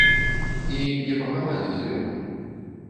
І не па камандзе зверху.